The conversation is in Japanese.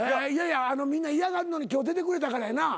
みんな嫌がんのに今日出てくれたからやな。